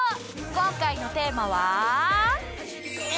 今回のテーマは。